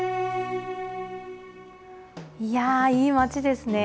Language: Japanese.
いやー、いい町ですね。